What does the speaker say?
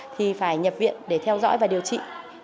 thì phải nhập viện để theo dõi và điều trị